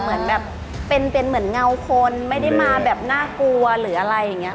เหมือนแบบเป็นเหมือนเงาคนไม่ได้มาแบบน่ากลัวหรืออะไรอย่างนี้